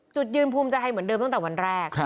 จุดยืนภูมิใจไทยเหมือนเดิมตั้งแต่วันแรก